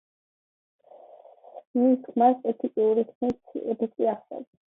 მის ხმას სპეციფიკური ხმის ეფექტი ახლავს.